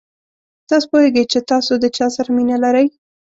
تاسو پوهېږئ چې تاسو د چا سره مینه لرئ.